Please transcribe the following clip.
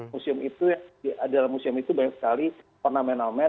museum itu di dalam museum itu banyak sekali ornamental men